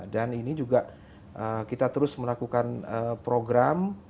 dan ini juga kita terus melakukan program